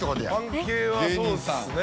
関係はそうですね。